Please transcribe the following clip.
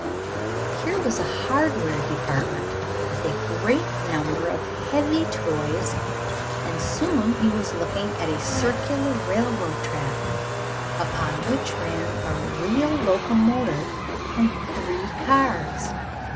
Here was a hardware department with a great number of heavy toys, and soon he was looking at a circular railroad track upon which ran a real locomotive and three cars.